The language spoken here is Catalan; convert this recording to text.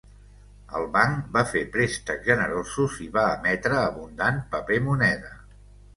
El banc va fer préstecs generosos i va emetre abundant paper moneda.